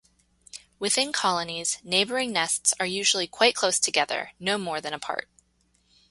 Within colonies neighbouring nests are usually quite close together, no more than apart.